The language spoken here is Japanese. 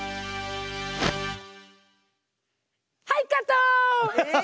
はいカット！